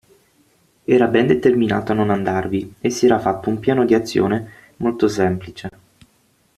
Era ben determinato a non andarvi e si era fatto un piano di azione molto semplice.